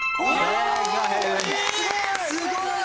すごい！